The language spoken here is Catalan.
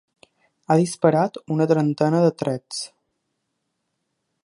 Ha disparat una trentena de trets.